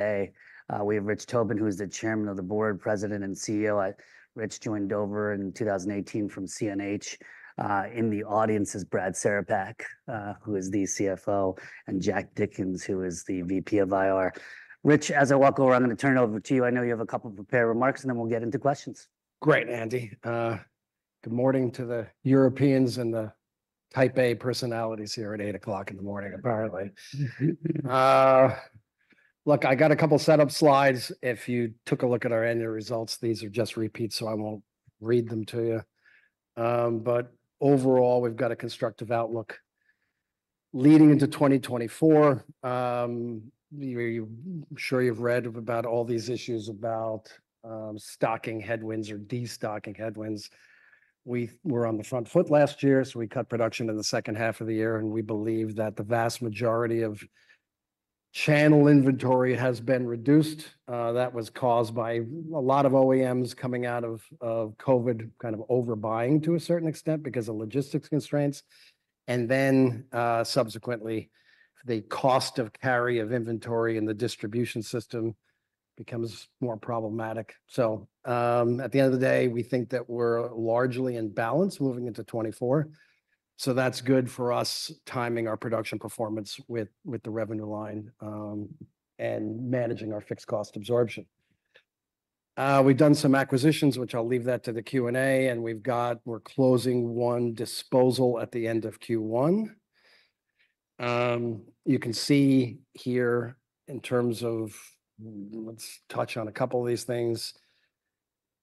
Today, we have Rich Tobin, who is the Chairman of the Board, President, and CEO. Rich joined Dover in 2018 from CNH. In the audience is Brad Cerepak, who is the CFO, and Jack Dickens, who is the VP of IR. Rich, as I walk over, I'm going to turn it over to you. I know you have a couple of prepared remarks, and then we'll get into questions. Great, Andy. Good morning to the Europeans and the Type A personalities here at 8:00 A.M., apparently. Look, I got a couple setup slides. If you took a look at our annual results, these are just repeats, so I won't read them to you. But overall, we've got a constructive outlook leading into 2024. I'm sure you've read about all these issues about stocking headwinds or destocking headwinds. We were on the front foot last year, so we cut production in the second half of the year, and we believe that the vast majority of channel inventory has been reduced. That was caused by a lot of OEMs coming out of COVID, kind of overbuying to a certain extent because of logistics constraints. And then, subsequently, the cost of carry of inventory in the distribution system becomes more problematic. So, at the end of the day, we think that we're largely in balance moving into 2024. So that's good for us timing our production performance with, with the revenue line, and managing our fixed cost absorption. We've done some acquisitions, which I'll leave that to the Q&A, and we've got we're closing one disposal at the end of Q1. You can see here in terms of let's touch on a couple of these things.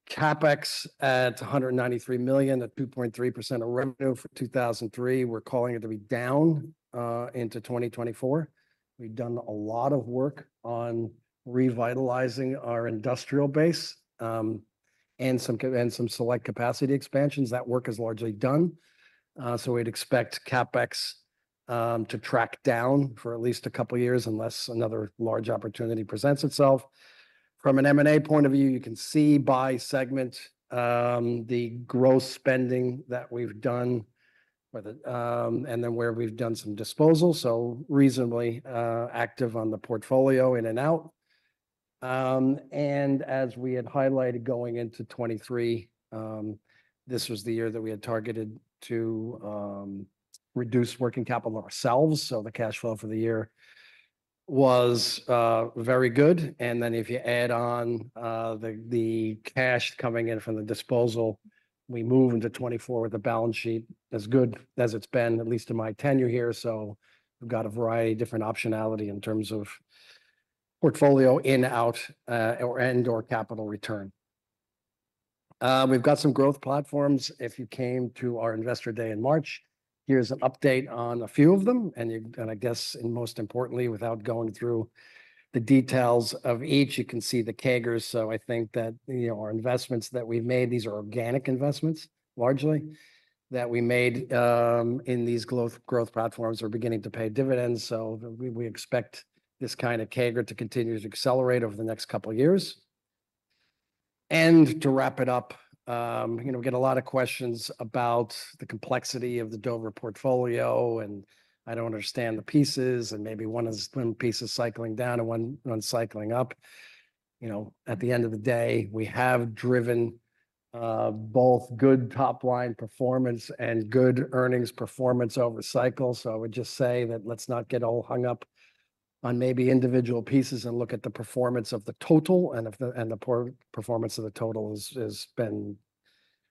CapEx at $193 million at 2.3% of revenue for 2023. We're calling it to be down, into 2024. We've done a lot of work on revitalizing our industrial base, and some and some select capacity expansions. That work is largely done. So we'd expect CapEx, to track down for at least a couple of years unless another large opportunity presents itself. From an M&A point of view, you can see by segment the gross spending that we've done with it, and then where we've done some disposal. So, reasonably active on the portfolio in and out. And as we had highlighted going into 2023, this was the year that we had targeted to reduce working capital ourselves. So the cash flow for the year was very good. And then if you add on the cash coming in from the disposal, we move into 2024 with a balance sheet as good as it's been, at least in my tenure here. So we've got a variety of different optionality in terms of portfolio in-out, or and/or capital return. We've got some growth platforms. If you came to our investor day in March, here's an update on a few of them. And you're going to guess, most importantly, without going through the details of each, you can see the CAGRs. So I think that, you know, our investments that we've made, these are organic investments, largely, that we made, in these growth platforms are beginning to pay dividends. So we expect this kind of CAGR to continue to accelerate over the next couple of years. And to wrap it up, you know, we get a lot of questions about the complexity of the Dover portfolio, and I don't understand the pieces. And maybe one piece is cycling down and one cycling up. You know, at the end of the day, we have driven both good top-line performance and good earnings performance over cycles. So I would just say that let's not get all hung up on maybe individual pieces and look at the performance of the total. If the poor performance of the total has been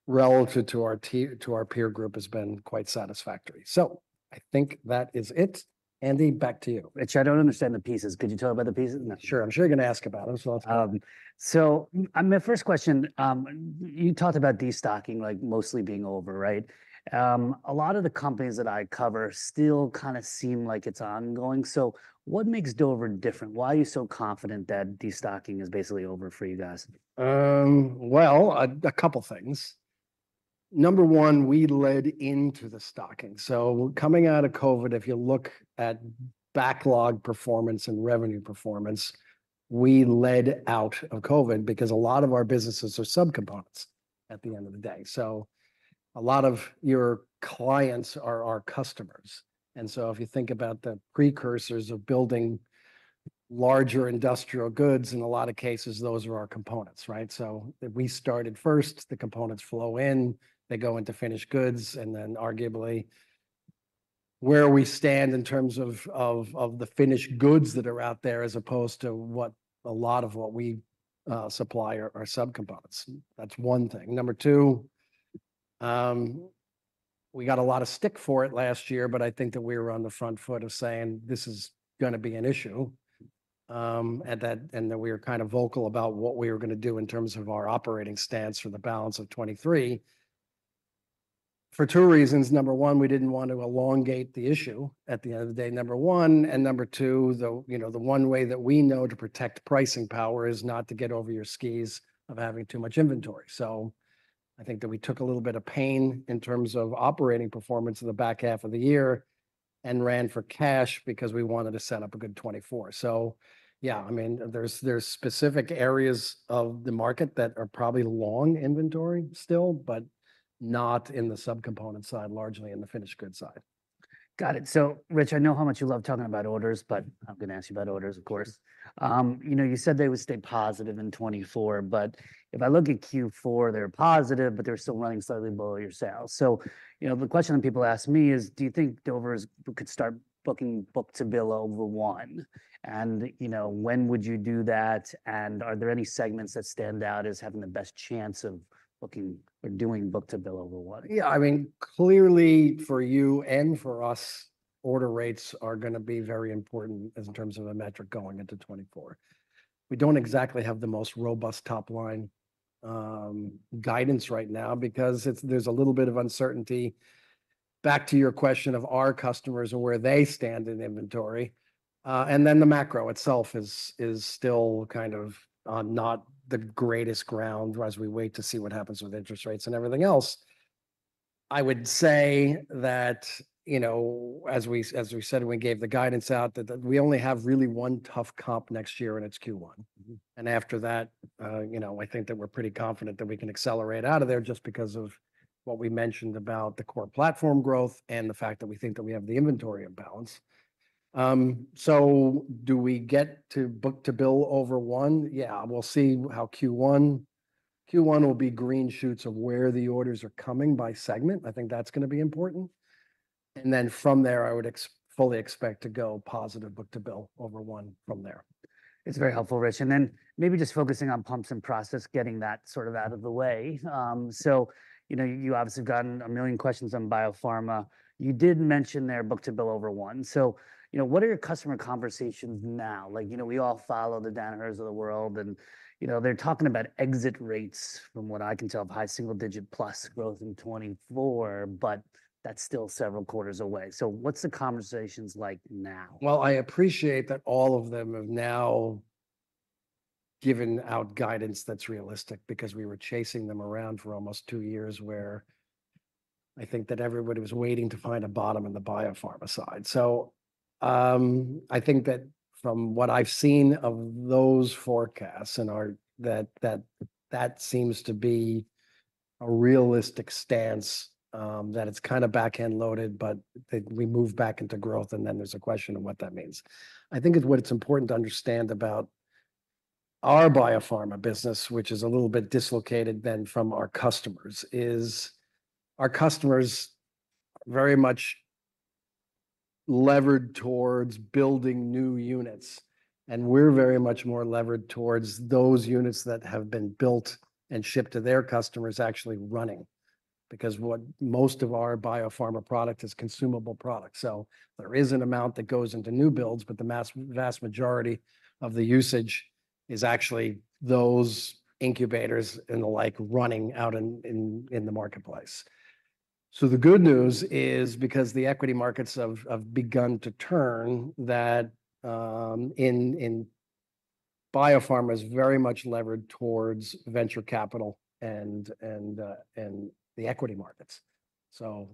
relative to our peer group has been quite satisfactory. So I think that is it. Andy, back to you. Rich, I don't understand the pieces. Could you tell about the pieces? Sure. I'm sure you're going to ask about them. So let's. So, my first question: you talked about destocking, like, mostly being over, right? A lot of the companies that I cover still kind of seem like it's ongoing. What makes Dover different? Why are you so confident that destocking is basically over for you guys? Well, a couple of things. Number one, we led into the destocking. So coming out of COVID, if you look at backlog performance and revenue performance, we led out of COVID because a lot of our businesses are subcomponents at the end of the day. So a lot of your clients are our customers. And so if you think about the precursors of building larger industrial goods, in a lot of cases, those are our components, right? So that we started first, the components flow in, they go into finished goods, and then arguably where we stand in terms of the finished goods that are out there as opposed to what a lot of what we supply are subcomponents. That's one thing. Number two, we got a lot of stick for it last year, but I think that we were on the front foot of saying, this is going to be an issue, at that and that we were kind of vocal about what we were going to do in terms of our operating stance for the balance of 2023 for two reasons. Number one, we didn't want to elongate the issue at the end of the day. Number one. And number two, you know, the one way that we know to protect pricing power is not to get over your skis of having too much inventory. So I think that we took a little bit of pain in terms of operating performance in the back half of the year and ran for cash because we wanted to set up a good 2024. So yeah, I mean, there's specific areas of the market that are probably long inventory still, but not in the subcomponent side, largely in the finished goods side. Got it. So Rich, I know how much you love talking about orders, but I'm going to ask you about orders, of course. You know, you said they would stay positive in 2024, but if I look at Q4, they're positive, but they're still running slightly below your sales. So, you know, the question that people ask me is, do you think Dover could start booking book-to-bill over one? And, you know, when would you do that? And are there any segments that stand out as having the best chance of booking or doing book-to-bill over one? Yeah, I mean, clearly for you and for us, order rates are going to be very important in terms of a metric going into 2024. We don't exactly have the most robust top line, guidance right now because it's there's a little bit of uncertainty. Back to your question of our customers and where they stand in inventory, and then the macro itself is still kind of on not the greatest ground as we wait to see what happens with interest rates and everything else. I would say that, you know, as we said, we gave the guidance out that we only have really one tough comp next year, and it's Q1. And after that, you know, I think that we're pretty confident that we can accelerate out of there just because of what we mentioned about the core platform growth and the fact that we think that we have the inventory imbalance. So do we get to book-to-bill over one? Yeah, we'll see how Q1, Q1 will be green shoots of where the orders are coming by segment. I think that's going to be important. And then from there, I would fully expect to go positive book-to-bill over one from there. It's very helpful, Rich. And then maybe just focusing on Pumps & Process, getting that sort of out of the way. So, you know, you obviously have gotten a million questions on biopharma. You did mention there book-to-bill over one. So, you know, what are your customer conversations now? Like, you know, we all follow the Danaher's of the world, and, you know, they're talking about exit rates, from what I can tell, of high single-digit plus growth in 2024, but that's still several quarters away. So what's the conversations like now? Well, I appreciate that all of them have now given out guidance that's realistic because we were chasing them around for almost two years where I think that everybody was waiting to find a bottom in the biopharma side. So, I think that from what I've seen of those forecasts and our that seems to be a realistic stance, that it's kind of back-loaded, but that we move back into growth. And then there's a question of what that means. I think it's important to understand about our biopharma business, which is a little bit dislocated than from our customers, is our customers are very much levered towards building new units, and we're very much more levered towards those units that have been built and shipped to their customers actually running because what most of our biopharma product is consumable product. So there is an amount that goes into new builds, but the vast majority of the usage is actually those incubators and the like running out in the marketplace. So the good news is because the equity markets have begun to turn that, in biopharma is very much levered towards venture capital and the equity markets. So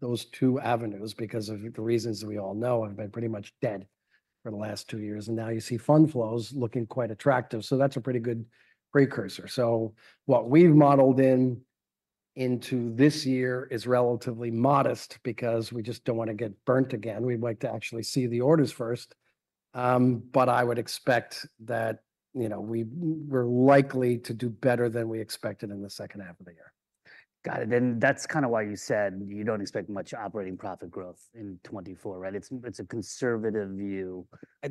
those two avenues, because of the reasons that we all know, have been pretty much dead for the last two years. And now you see fund flows looking quite attractive. So that's a pretty good precursor. So what we've modeled into this year is relatively modest because we just don't want to get burned again. We'd like to actually see the orders first. I would expect that, you know, we're likely to do better than we expected in the second half of the year. Got it. And that's kind of why you said you don't expect much operating profit growth in 2024, right? It's a conservative view.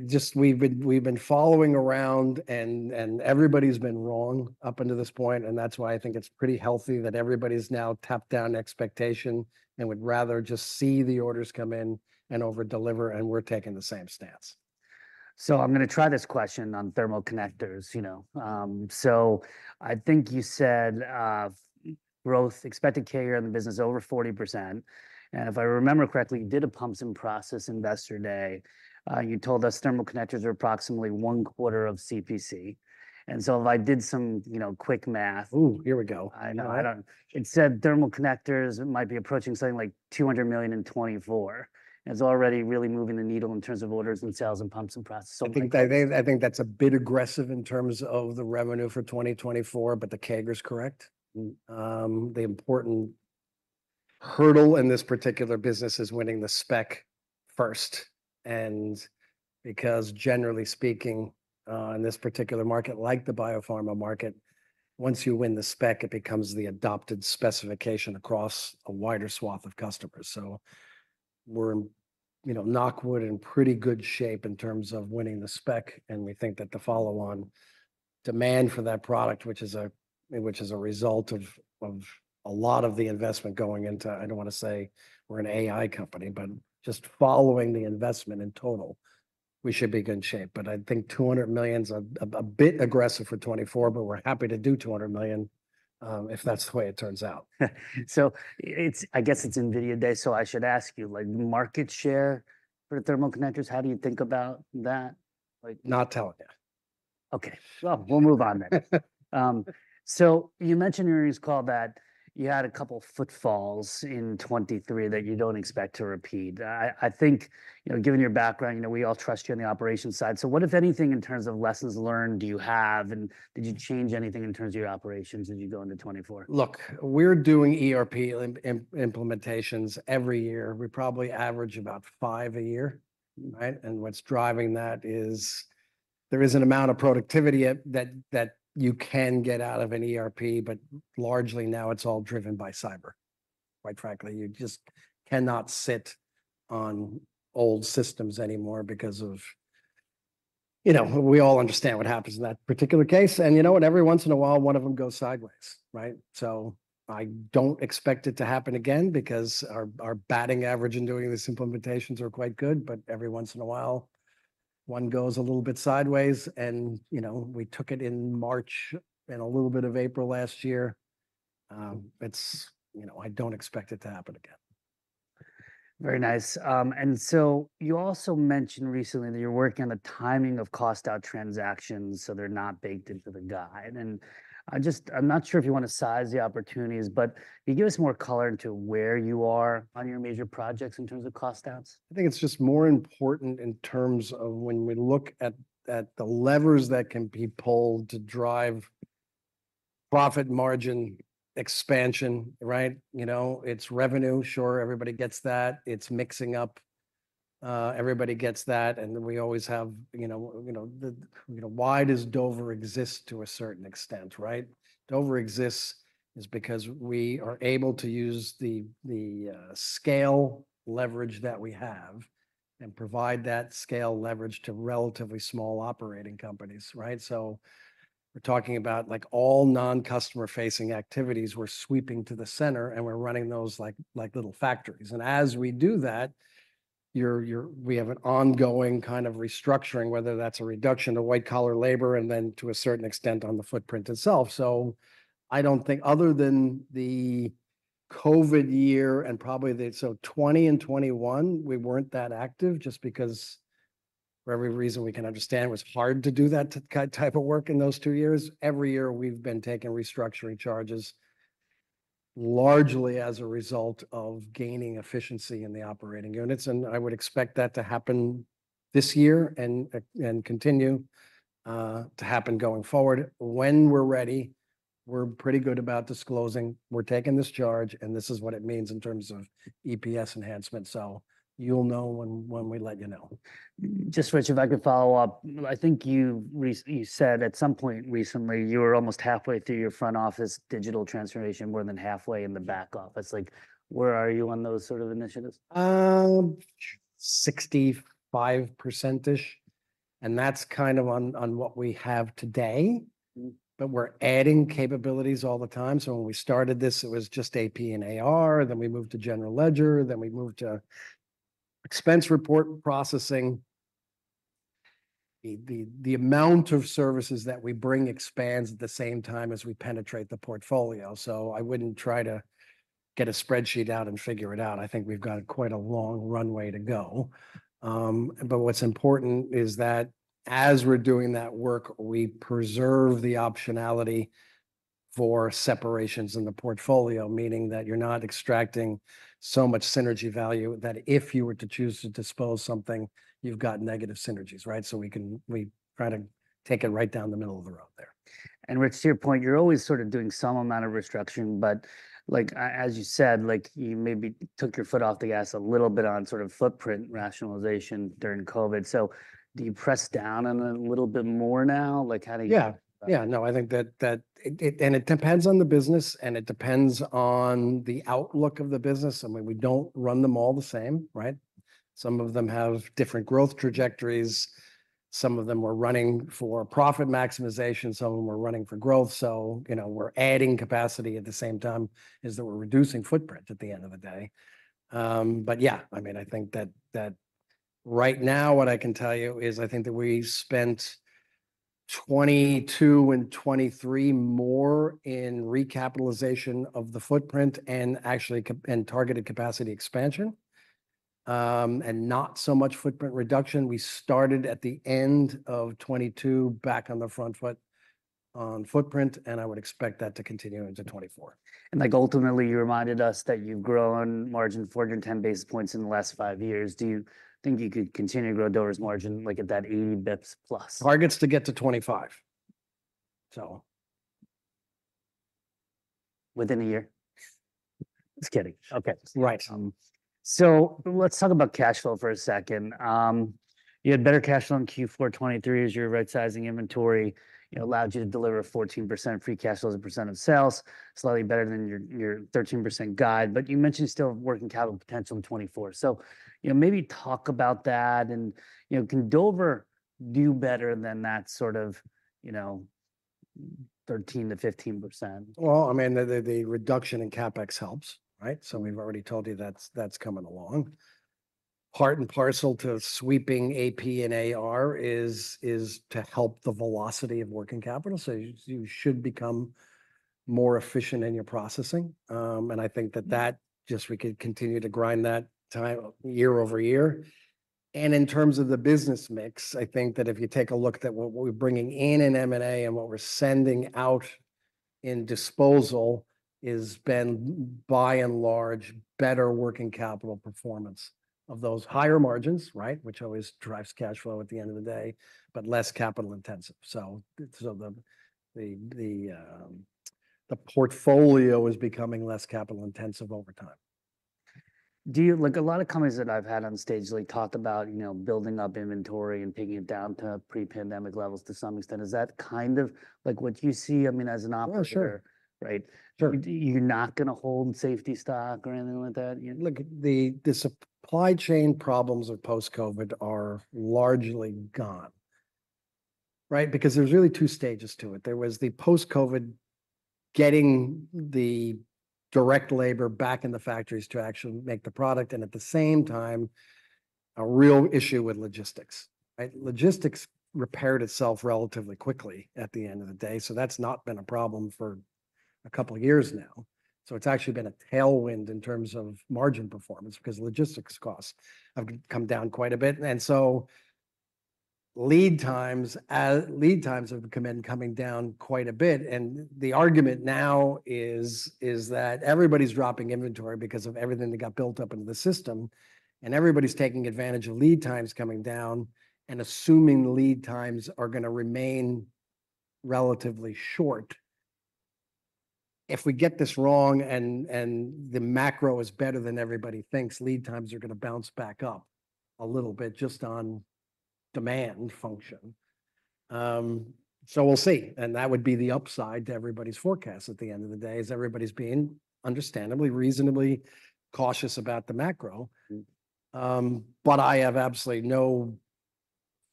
Just, we've been following around and everybody's been wrong up until this point. And that's why I think it's pretty healthy that everybody's now tamped down expectations and would rather just see the orders come in and overdeliver. And we're taking the same stance. So I'm going to try this question on thermal connectors, you know. So I think you said growth expected CAGR in the business over 40%. And if I remember correctly, you did a Pumps & Process investor day. You told us thermal connectors are approximately one quarter of CPC. And so if I did some, you know, quick math. Ooh, here we go. I know. I don't, it said thermal connectors might be approaching something like $200 million in 2024. And it's already really moving the needle in terms of orders and sales and Pumps & Process. I think that's a bit aggressive in terms of the revenue for 2024, but the CAGR is correct. The important hurdle in this particular business is winning the spec first. And because generally speaking, in this particular market, like the biopharma market, once you win the spec, it becomes the adopted specification across a wider swath of customers. So we're in, you know, now we're in pretty good shape in terms of winning the spec. And we think that the follow-on demand for that product, which is a result of a lot of the investment going into—I don't want to say we're an AI company, but just following the investment in total, we should be in good shape. But I think $200 million is a bit aggressive for 2024, but we're happy to do $200 million, if that's the way it turns out. So I guess it's NVIDIA day. So I should ask you, like, market share for the thermal connectors. How do you think about that? Like. Not telling you. Okay. Well, we'll move on then. So you mentioned in your news call that you had a couple of foot faults in 2023 that you don't expect to repeat. I think, you know, given your background, you know, we all trust you on the operations side. So what, if anything, in terms of lessons learned, do you have? And did you change anything in terms of your operations as you go into 2024? Look, we're doing ERP implementations every year. We probably average about 5 a year, right? And what's driving that is there is an amount of productivity that you can get out of an ERP, but largely now it's all driven by cyber. Quite frankly, you just cannot sit on old systems anymore because of, you know, we all understand what happens in that particular case. And you know what? Every once in a while, one of them goes sideways, right? So I don't expect it to happen again because our batting average in doing these implementations are quite good. But every once in a while, one goes a little bit sideways. And, you know, we took it in March and a little bit of April last year. It's, you know, I don't expect it to happen again. Very nice. And so you also mentioned recently that you're working on the timing of cost-out transactions so they're not baked into the guide. And I just, I'm not sure if you want to size the opportunities, but can you give us more color into where you are on your major projects in terms of cost-outs? I think it's just more important in terms of when we look at the levers that can be pulled to drive profit margin expansion, right? You know, it's revenue. Sure, everybody gets that. It's mixing up everybody gets that. And we always have, you know, you know, why does Dover exist to a certain extent, right? Dover exists because we are able to use the scale leverage that we have and provide that scale leverage to relatively small operating companies, right? So we're talking about like all non-customer-facing activities. We're sweeping to the center and we're running those like little factories. And as we do that, we have an ongoing kind of restructuring, whether that's a reduction to white-collar labor and then to a certain extent on the footprint itself. So I don't think other than the COVID year and probably the so 2020 and 2021, we weren't that active just because for every reason we can understand, it was hard to do that type of work in those two years. Every year we've been taking restructuring charges, largely as a result of gaining efficiency in the operating units. I would expect that to happen this year and and continue to happen going forward. When we're ready, we're pretty good about disclosing. We're taking this charge and this is what it means in terms of EPS enhancement. So you'll know when when we let you know. Just, Rich, if I could follow up, I think you said at some point recently you were almost halfway through your front office digital transformation, more than halfway in the back office. Like, where are you on those sort of initiatives? 65%-ish. That's kind of on what we have today. But we're adding capabilities all the time. So when we started this, it was just AP and AR. Then we moved to general ledger. Then we moved to expense report processing. The amount of services that we bring expands at the same time as we penetrate the portfolio. So I wouldn't try to get a spreadsheet out and figure it out. I think we've got quite a long runway to go. But what's important is that as we're doing that work, we preserve the optionality for separations in the portfolio, meaning that you're not extracting so much synergy value that if you were to choose to dispose of something, you've got negative synergies, right? So we try to take it right down the middle of the road there. And Rich, to your point, you're always sort of doing some amount of restructuring, but like as you said, like you maybe took your foot off the gas a little bit on sort of footprint rationalization during COVID. So do you press down on it a little bit more now? Like how do you. Yeah. Yeah. No, I think that that it and it depends on the business and it depends on the outlook of the business. I mean, we don't run them all the same, right? Some of them have different growth trajectories. Some of them were running for profit maximization. Some of them were running for growth. So, you know, we're adding capacity at the same time as that we're reducing footprint at the end of the day. But yeah, I mean, I think that that right now what I can tell you is I think that we spent 2022 and 2023 more in recapitalization of the footprint and actually and targeted capacity expansion. And not so much footprint reduction. We started at the end of 2022 back on the front foot on footprint, and I would expect that to continue into 2024. Like ultimately, you reminded us that you've grown margin 410 basis points in the last 5 years. Do you think you could continue to grow Dover's margin like at that 80 basis points plus? Targets to get to 25. So. Within a year? Just kidding. Okay. Right. So let's talk about cash flow for a second. You had better cash flow in Q4 2023 as your right-sizing inventory, you know, allowed you to deliver 14% free cash flow as percent of sales, slightly better than your 13% guide. But you mentioned still working capital potential in 2024. So, you know, maybe talk about that and, you know, can Dover do better than that sort of, you know, 13%-15%? Well, I mean, the reduction in CapEx helps, right? So we've already told you that's coming along. Part and parcel to sweeping AP and AR is to help the velocity of working capital. So you should become more efficient in your processing. And I think that we could continue to grind that time year-over-year. And in terms of the business mix, I think that if you take a look at what we're bringing in in M&A and what we're sending out in disposal has been by and large better working capital performance of those higher margins, right, which always drives cash flow at the end of the day, but less capital intensive. So the portfolio is becoming less capital intensive over time. Do you, like a lot of companies that I've had on stage, really talked about, you know, building up inventory and drawing it down to pre-pandemic levels to some extent? Is that kind of like what you see? I mean, as an operator, right? Sure. You're not going to hold safety stock or anything like that. Look, the supply chain problems of post-COVID are largely gone. Right? Because there's really two stages to it. There was the post-COVID getting the direct labor back in the factories to actually make the product. And at the same time, a real issue with logistics, right? Logistics repaired itself relatively quickly at the end of the day. So that's not been a problem for a couple of years now. So it's actually been a tailwind in terms of margin performance because logistics costs have come down quite a bit. And so lead times, as lead times have come in, coming down quite a bit. And the argument now is that everybody's dropping inventory because of everything that got built up into the system. And everybody's taking advantage of lead times coming down and assuming lead times are going to remain relatively short. If we get this wrong and the macro is better than everybody thinks, lead times are going to bounce back up a little bit just on demand function. So we'll see. And that would be the upside to everybody's forecast at the end of the day, is everybody's being understandably, reasonably cautious about the macro. But I have absolutely no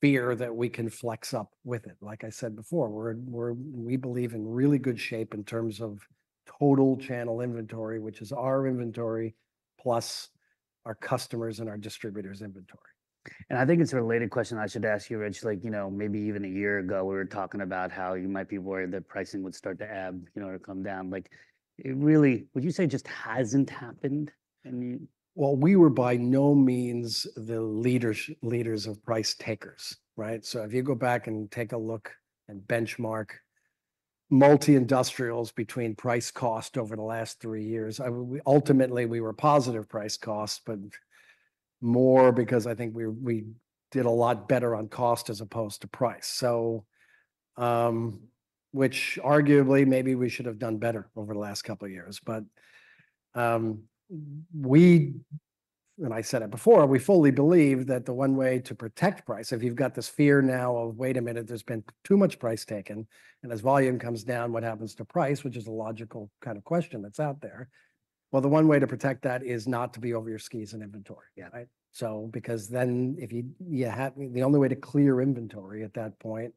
fear that we can flex up with it. Like I said before, we're we believe in really good shape in terms of total channel inventory, which is our inventory plus our customers and our distributors' inventory. And I think it's a related question I should ask you, Rich, like, you know, maybe even a year ago we were talking about how you might be worried that pricing would start to, you know, or come down. Like, it really, would you say, just hasn't happened? And you. Well, we were by no means the leaders of price takers, right? So if you go back and take a look and benchmark multi-industrials between price-cost over the last three years, we ultimately were positive price-cost, but more because I think we did a lot better on cost as opposed to price. So which arguably maybe we should have done better over the last couple of years, but we, and I said it before, we fully believe that the one way to protect price, if you've got this fear now of, wait a minute, there's been too much price taken and as volume comes down, what happens to price, which is a logical kind of question that's out there. Well, the one way to protect that is not to be over your skis in inventory yet, right? So because then if you have the only way to clear inventory at that point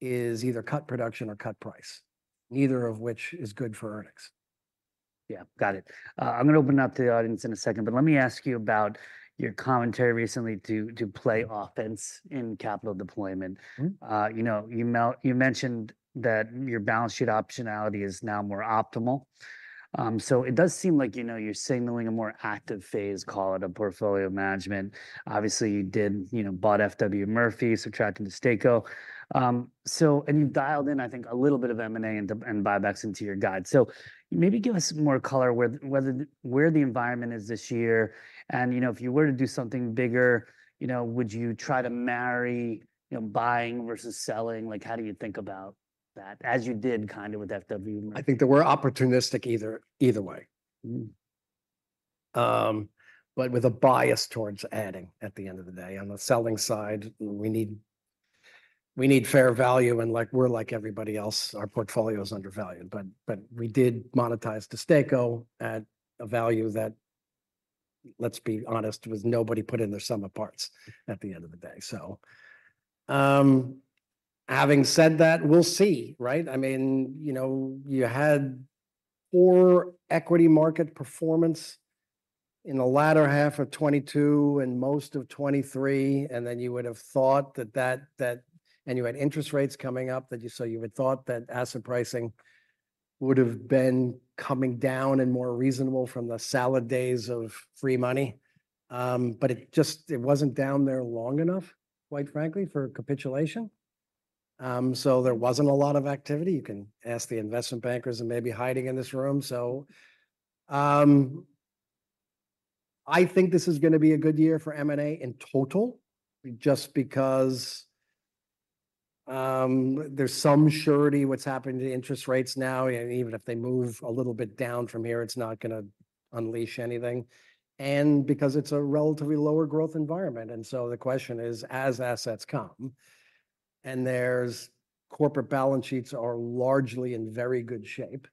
is either cut production or cut price, neither of which is good for earnings. Yeah, got it. I'm going to open it up to the audience in a second, but let me ask you about your commentary recently to play offense in capital deployment. You know, you mentioned that your balance sheet optionality is now more optimal. So it does seem like, you know, you're signaling a more active phase, call it, of portfolio management. Obviously, you did, you know, bought FW Murphy, subtracted DESTACO. So and you've dialed in, I think, a little bit of M&A and buybacks into your guide. So maybe give us some more color where whether where the environment is this year. And, you know, if you were to do something bigger, you know, would you try to marry, you know, buying versus selling? Like how do you think about that as you did kind of with FW? I think that we're opportunistic either way. But with a bias towards adding at the end of the day. On the selling side, we need fair value. And like we're like everybody else, our portfolio is undervalued. But we did monetize DESTACO at a value that, let's be honest, was nobody put in their sum of parts at the end of the day. So, having said that, we'll see, right? I mean, you know, you had poor equity market performance in the latter half of 2022 and most of 2023. And then you would have thought that and you had interest rates coming up, so you would have thought that asset pricing would have been coming down and more reasonable from the salad days of free money. But it just wasn't down there long enough, quite frankly, for capitulation. So there wasn't a lot of activity. You can ask the investment bankers and maybe hiding in this room. So, I think this is going to be a good year for M&A in total just because, there's some surety what's happening to interest rates now. And even if they move a little bit down from here, it's not going to unleash anything. And because it's a relatively lower growth environment. And so the question is, as assets come and there's corporate balance sheets are largely in very good shape,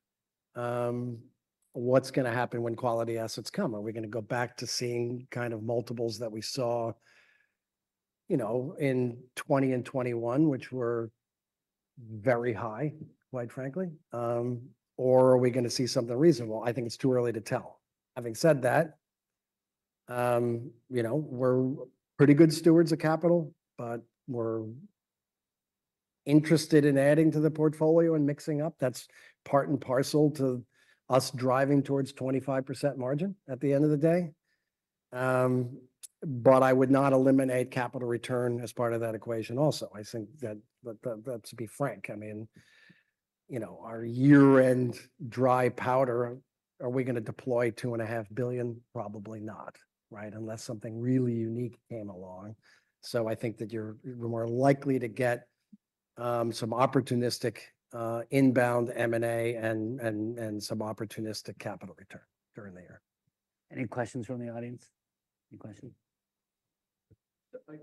what's going to happen when quality assets come? Are we going to go back to seeing kind of multiples that we saw, you know, in 2020 and 2021, which were very high, quite frankly? Or are we going to see something reasonable? I think it's too early to tell. Having said that, you know, we're pretty good stewards of capital, but we're interested in adding to the portfolio and mixing up. That's part and parcel to us driving towards 25% margin at the end of the day. But I would not eliminate capital return as part of that equation also. I think that to be frank, I mean, you know, our year-end dry powder, are we going to deploy $2.5 billion? Probably not, right? Unless something really unique came along. So I think that you're we're more likely to get some opportunistic inbound M&A and some opportunistic capital return during the year. Any questions from the audience? Any questions? I think,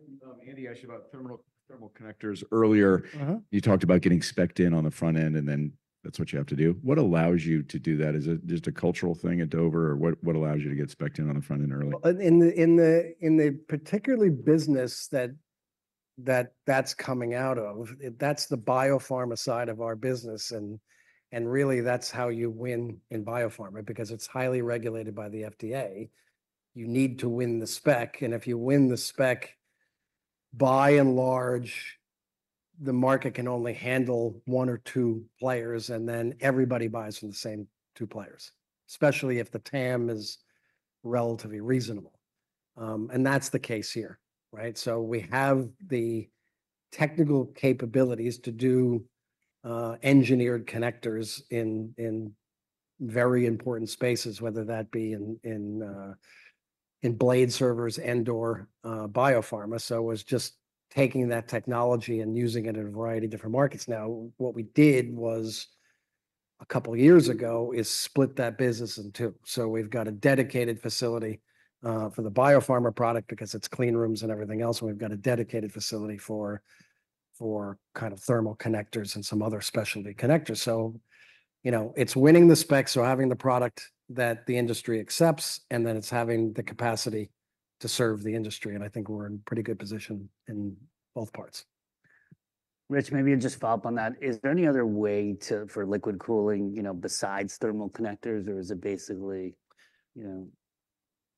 Andy, I should ask about thermal connectors earlier. You talked about getting specced in on the front end and then that's what you have to do. What allows you to do that? Is it just a cultural thing at Dover or what allows you to get specced in on the front end early? Well, in the particularly business that's coming out of, that's the biopharma side of our business. And really that's how you win in biopharma, because it's highly regulated by the FDA. You need to win the spec. And if you win the spec, by and large, the market can only handle one or two players and then everybody buys from the same two players, especially if the TAM is relatively reasonable. And that's the case here, right? So we have the technical capabilities to do engineered connectors in very important spaces, whether that be in blade servers and/or biopharma. So it was just taking that technology and using it in a variety of different markets. Now, what we did was a couple of years ago is split that business in two. So we've got a dedicated facility for the Biopharma product because it's clean rooms and everything else. And we've got a dedicated facility for kind of thermal connectors and some other specialty connectors. So, you know, it's winning the spec. So having the product that the industry accepts and then it's having the capacity to serve the industry. And I think we're in pretty good position in both parts. Rich, maybe you'll just follow up on that. Is there any other way to for liquid cooling, you know, besides thermal connectors or is it basically, you know?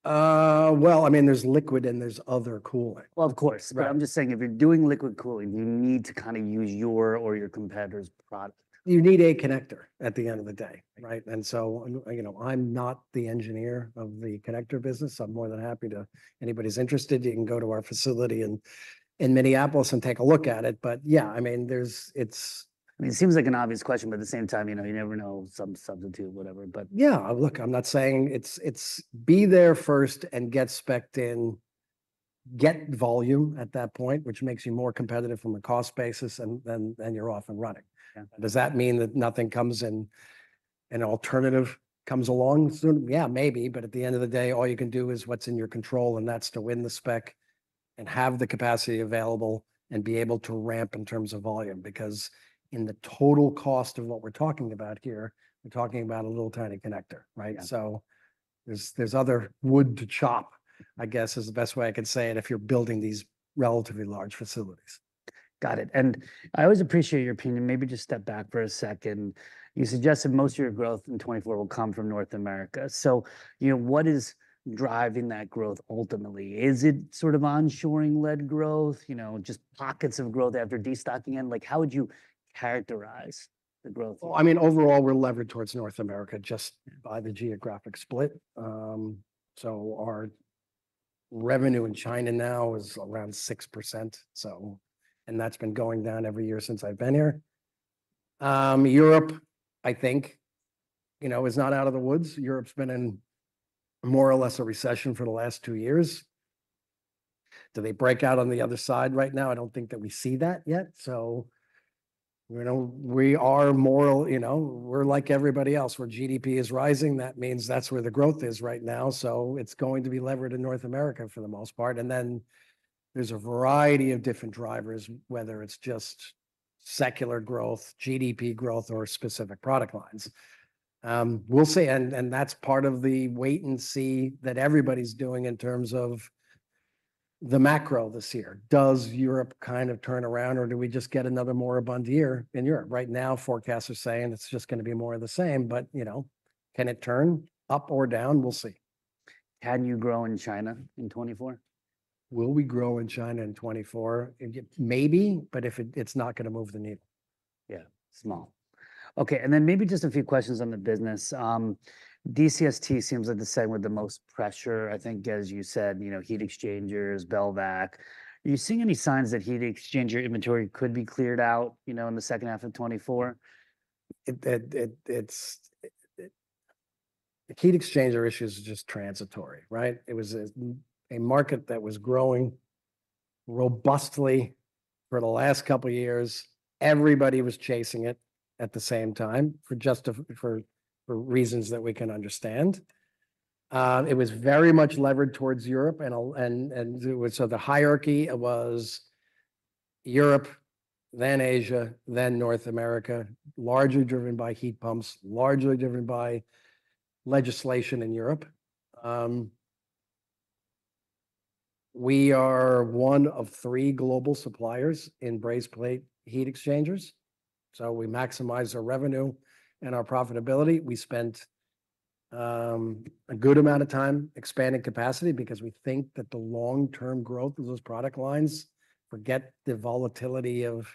Well, I mean, there's liquid and there's other cooling. Well, of course, but I'm just saying if you're doing liquid cooling, you need to kind of use your or your competitor's product. You need a connector at the end of the day, right? And so, you know, I'm not the engineer of the connector business. I'm more than happy to anybody's interested. You can go to our facility in Minneapolis and take a look at it. But yeah, I mean, there's it's. I mean, it seems like an obvious question, but at the same time, you know, you never know some substitute, whatever. But. Yeah, look, I'm not saying it's be there first and get specced in, get volume at that point, which makes you more competitive from a cost basis and then you're off and running. Does that mean that nothing comes in and alternative comes along? Yeah, maybe. But at the end of the day, all you can do is what's in your control and that's to win the spec and have the capacity available and be able to ramp in terms of volume. Because in the total cost of what we're talking about here, we're talking about a little tiny connector, right? So there's other wood to chop, I guess, is the best way I could say it if you're building these relatively large facilities. Got it. I always appreciate your opinion. Maybe just step back for a second. You suggested most of your growth in 2024 will come from North America. So, you know, what is driving that growth ultimately? Is it sort of onshoring-led growth, you know, just pockets of growth after Destocking end? Like how would you characterize the growth? Well, I mean, overall we're levered towards North America just by the geographic split. So our revenue in China now is around 6%. So, and that's been going down every year since I've been here. Europe, I think, you know, is not out of the woods. Europe's been in more or less a recession for the last two years. Do they break out on the other side right now? I don't think that we see that yet. So, you know, we are more or less, you know, we're like everybody else. We're where GDP is rising. That means that's where the growth is right now. So it's going to be levered in North America for the most part. And then there's a variety of different drivers, whether it's just secular growth, GDP growth, or specific product lines. We'll say, and that's part of the wait and see that everybody's doing in terms of the macro this year. Does Europe kind of turn around or do we just get another more abundant year in Europe? Right now, forecasts are saying it's just going to be more of the same. But, you know, can it turn up or down? We'll see. Can you grow in China in 2024? Will we grow in China in 2024? Maybe, but if it's not going to move the needle. Yeah, small. Okay. And then maybe just a few questions on the business. DCST seems like the segment with the most pressure, I think, as you said, you know, heat exchangers, Belvac. Are you seeing any signs that heat exchanger inventory could be cleared out, you know, in the second half of 2024? It's the heat exchanger issue is just transitory, right? It was a market that was growing robustly for the last couple of years. Everybody was chasing it at the same time for just for reasons that we can understand. It was very much levered towards Europe and it was so the hierarchy was Europe, then Asia, then North America, largely driven by heat pumps, largely driven by legislation in Europe. We are one of three global suppliers in brazed plate heat exchangers. So we maximize our revenue and our profitability. We spent a good amount of time expanding capacity because we think that the long-term growth of those product lines, forget the volatility of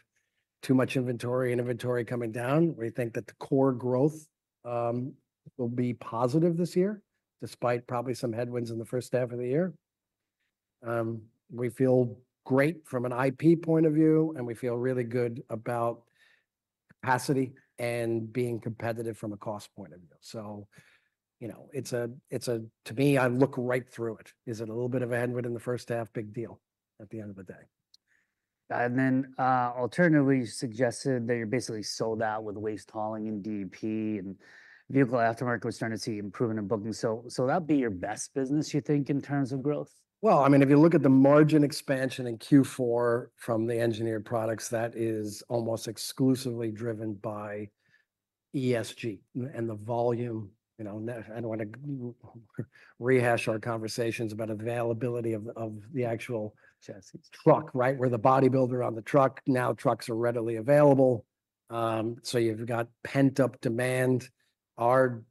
too much inventory and inventory coming down. We think that the core growth will be positive this year despite probably some headwinds in the first half of the year. We feel great from an IP point of view and we feel really good about capacity and being competitive from a cost point of view. So, you know, it's a to me, I look right through it. Is it a little bit of a headwind in the first half? Big deal at the end of the day. And then, alternatively, you suggested that you're basically sold out with waste hauling and DEP, and vehicle aftermarket was starting to see improvement in booking. So, so that'd be your best business, you think, in terms of growth? Well, I mean, if you look at the margin expansion in Q4 from the Engineered Products, that is almost exclusively driven by ESG and the volume. You know, I don't want to rehash our conversations about availability of the actual truck, right? We're the body builder on the truck. Now trucks are readily available. So you've got pent-up demand. Our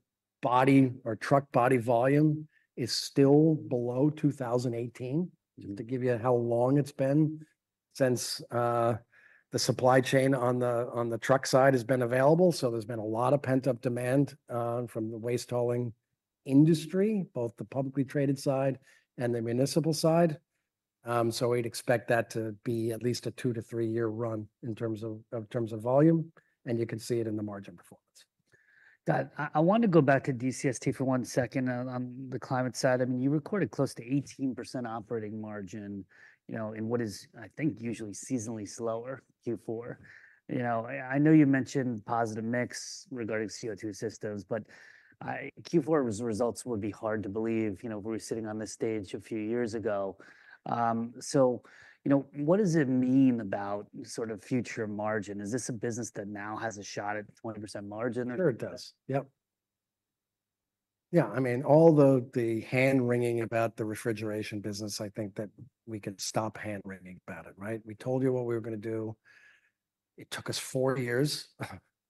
body or truck body volume is still below 2018. Just to give you how long it's been since, the supply chain on the truck side has been available. So there's been a lot of pent-up demand, from the waste hauling industry, both the publicly traded side and the municipal side. So we'd expect that to be at least a 2-3-year run in terms of volume. And you can see it in the margin performance. Got it. I want to go back to DCST for one second on the climate side. I mean, you recorded close to 18% operating margin, you know, in what is, I think, usually seasonally slower Q4. You know, I know you mentioned positive mix regarding CO2 systems, but the Q4 results would be hard to believe, you know, if we were sitting on this stage a few years ago. So, you know, what does it mean about sort of future margin? Is this a business that now has a shot at 20% margin or? Sure it does. Yep. Yeah. I mean, all the hand-wringing about the refrigeration business, I think that we could stop hand-wringing about it, right? We told you what we were going to do. It took us 4 years,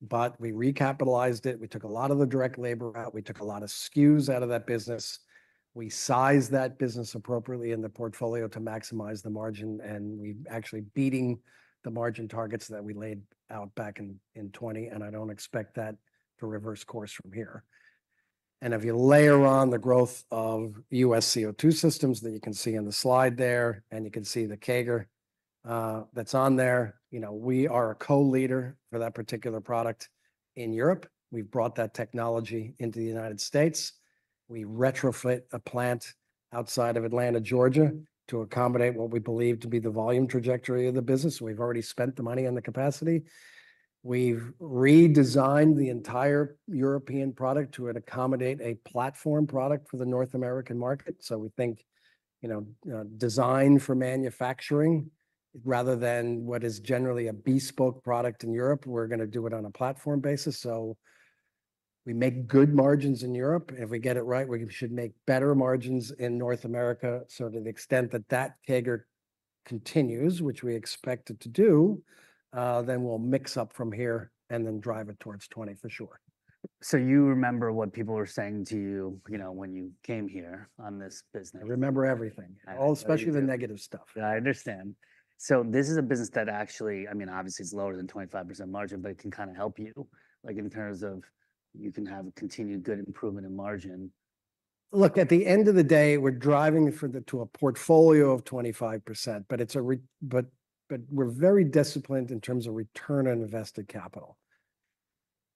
but we recapitalized it. We took a lot of the direct labor out. We took a lot of SKUs out of that business. We sized that business appropriately in the portfolio to maximize the margin. And we've actually beaten the margin targets that we laid out back in 2020. And I don't expect that to reverse course from here. And if you layer on the growth of US CO2 systems that you can see in the slide there and you can see the CAGR, that's on there, you know, we are a co-leader for that particular product in Europe. We've brought that technology into the United States. We retrofit a plant outside of Atlanta, Georgia, to accommodate what we believe to be the volume trajectory of the business. We've already spent the money and the capacity. We've redesigned the entire European product to accommodate a platform product for the North American market. So we think, you know, design for manufacturing rather than what is generally a bespoke product in Europe, we're going to do it on a platform basis. So we make good margins in Europe. If we get it right, we should make better margins in North America. So to the extent that that CAGR continues, which we expect it to do, then we'll mix up from here and then drive it towards '20 for sure. You remember what people were saying to you, you know, when you came here on this business? I remember everything, all especially the negative stuff. Yeah, I understand. This is a business that actually, I mean, obviously it's lower than 25% margin, but it can kind of help you, like in terms of you can have a continued good improvement in margin. Look, at the end of the day, we're driving to a portfolio of 25%, but it's a but we're very disciplined in terms of return on invested capital.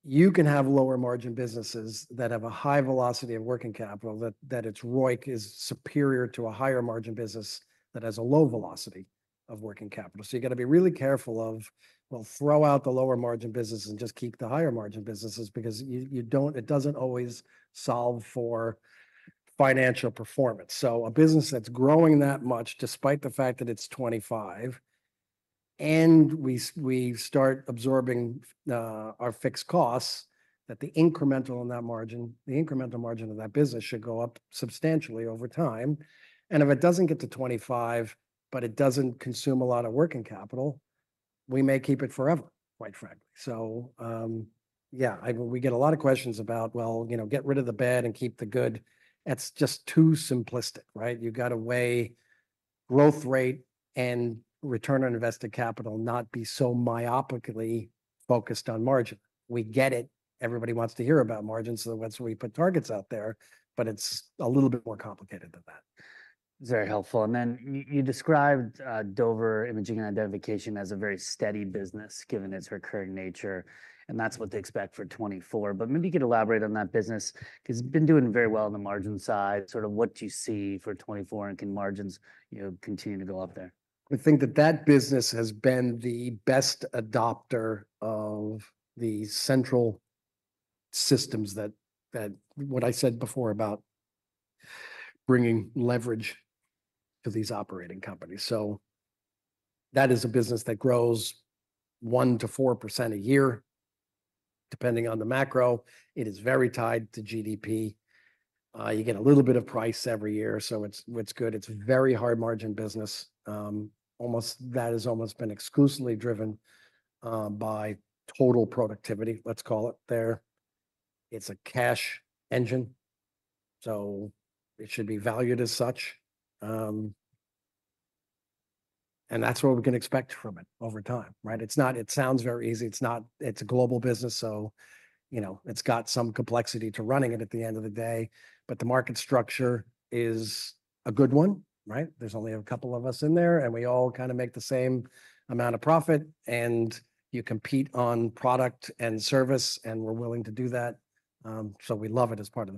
You can have lower margin businesses that have a high velocity of working capital that its ROIC is superior to a higher margin business that has a low velocity of working capital. So you got to be really careful of, well, throw out the lower margin businesses and just keep the higher margin businesses because you don't it doesn't always solve for financial performance. So a business that's growing that much despite the fact that it's 25 and we start absorbing our fixed costs, that the incremental in that margin, the incremental margin of that business should go up substantially over time. If it doesn't get to 25, but it doesn't consume a lot of working capital, we may keep it forever, quite frankly. So, yeah, we get a lot of questions about, well, you know, get rid of the bad and keep the good. It's just too simplistic, right? You got to weigh growth rate and Return on Invested Capital not be so myopically focused on margin. We get it. Everybody wants to hear about margin. So that's why we put targets out there. But it's a little bit more complicated than that. Very helpful. Then you described Dover Imaging & Identification as a very steady business given its recurring nature. And that's what to expect for 2024. But maybe you could elaborate on that business because it's been doing very well on the margin side. Sort of, what do you see for 2024 and can margins, you know, continue to go up there? I think that business has been the best adopter of the central systems that what I said before about bringing leverage to these operating companies. So that is a business that grows 1%-4% a year depending on the macro. It is very tied to GDP. You get a little bit of price every year. So it's good. It's a very high margin business almost that has almost been exclusively driven by total productivity, let's call it there. It's a cash engine. So it should be valued as such. And that's what we can expect from it over time, right? It's not. It sounds very easy. It's not. It's a global business. So, you know, it's got some complexity to running it at the end of the day. But the market structure is a good one, right? There's only a couple of us in there, and we all kind of make the same amount of profit, and you compete on product and service, and we're willing to do that. So we love it as part of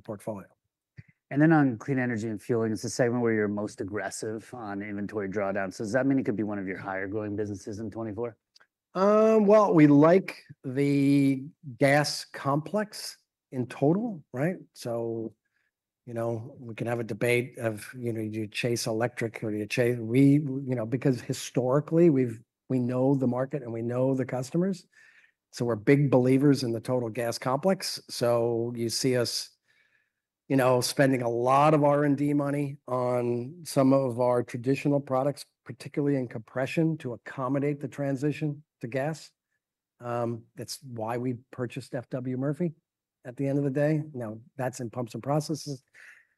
the portfolio. And then on Clean Energy & Fueling, it's a segment where you're most aggressive on inventory drawdown. So does that mean it could be one of your higher growing businesses in 2024? Well, we like the gas complex in total, right? So, you know, we can have a debate of, you know, do you chase electric or do you chase we, you know, because historically we know the market and we know the customers. So we're big believers in the total gas complex. So you see us, you know, spending a lot of R&D money on some of our traditional products, particularly in compression to accommodate the transition to gas. That's why we purchased FW Murphy at the end of the day. Now that's in Pumps & Process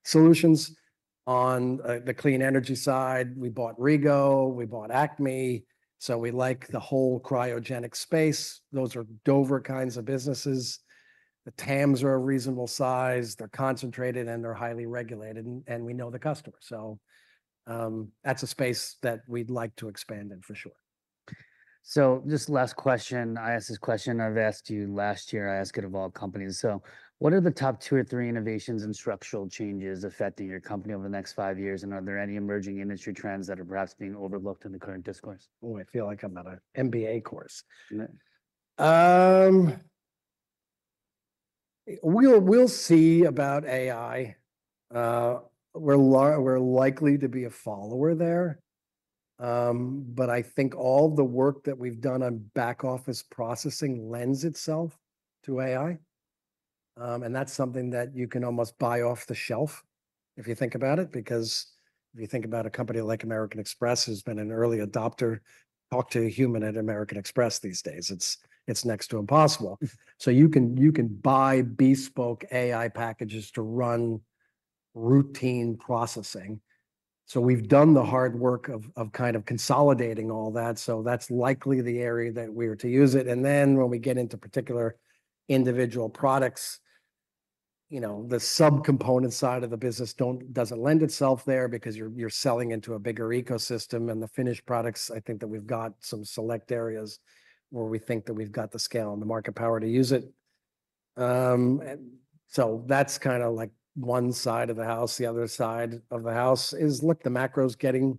Solutions. On the clean energy side, we bought RegO. We bought Acme. So we like the whole cryogenic space. Those are Dover kinds of businesses. The TAMs are a reasonable size. They're concentrated and they're highly regulated and we know the customer. That's a space that we'd like to expand in for sure. So, just last question. I asked this question. I've asked you last year. I ask it of all companies. So, what are the top two or three innovations and structural changes affecting your company over the next five years? And are there any emerging industry trends that are perhaps being overlooked in the current discourse? Oh, I feel like I'm at an MBA course. We'll see about AI. We're likely to be a follower there. But I think all the work that we've done on back office processing lends itself to AI. And that's something that you can almost buy off the shelf if you think about it. Because if you think about a company like American Express who's been an early adopter, talk to a human at American Express these days. It's next to impossible. So you can buy bespoke AI packages to run routine processing. So we've done the hard work of kind of consolidating all that. So that's likely the area that we are to use it. And then when we get into particular individual products, you know, the subcomponent side of the business doesn't lend itself there because you're selling into a bigger ecosystem. And the finished products, I think that we've got some select areas where we think that we've got the scale and the market power to use it. So that's kind of like one side of the house. The other side of the house is, look, the macro's getting,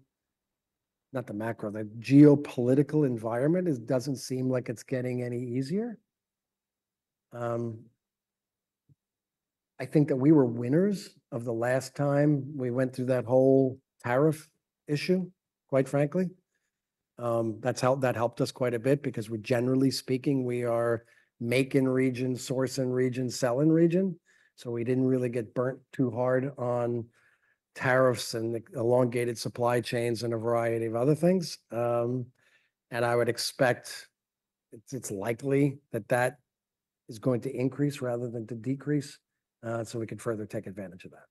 not the macro, the geopolitical environment doesn't seem like it's getting any easier. I think that we were winners of the last time we went through that whole tariff issue, quite frankly. That's how that helped us quite a bit because we're generally speaking, we are make in region, source in region, sell in region. So we didn't really get burnt too hard on tariffs and the elongated supply chains and a variety of other things. I would expect it's likely that is going to increase rather than to decrease. So we could further take advantage of that.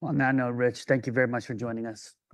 Well, you know, Rich, thank you very much for joining us.